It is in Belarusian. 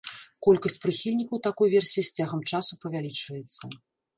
Колькасць прыхільнікаў такой версіі з цягам часу павялічваецца.